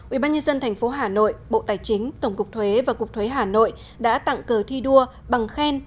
ubnd tp hà nội bộ tài chính tổng cục thuế và cục thuế hà nội đã tặng cờ thi đua bằng khen